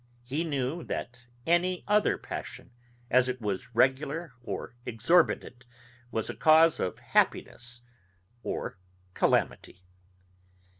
He knew, that any other passion, as it was regular or exorbitant, was a cause of happiness or calamity.